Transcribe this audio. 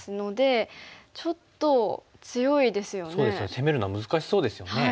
攻めるのは難しそうですよね。